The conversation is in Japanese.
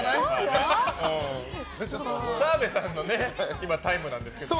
今、澤部さんのタイムなんですけどね。